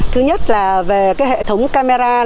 thứ nhất là về hệ thống camera